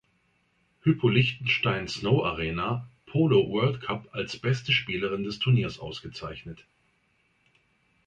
Hypo Lichtenstein Snow Arena Polo World Cup als beste Spielerin des Turniers ausgezeichnet.